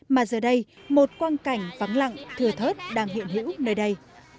mà giờ đây một quan cảnh vắng lặng thừa thớt đang hiện hữu nơi đây